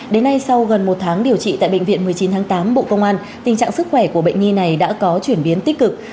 đến nay sau gần một tháng điều trị tại bệnh viện một mươi chín tháng tám bộ công an tình trạng sức khỏe của bệnh nhi này đã có chuyển biến tích cực